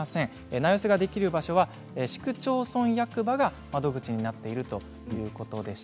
名寄せができる場所は市区町村役場が窓口になっているということです。